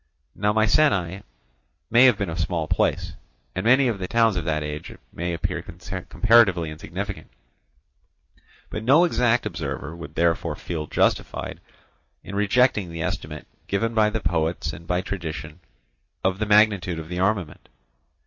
Now Mycenæ may have been a small place, and many of the towns of that age may appear comparatively insignificant, but no exact observer would therefore feel justified in rejecting the estimate given by the poets and by tradition of the magnitude of the armament.